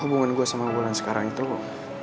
hubungan gue sama ulan sekarang itu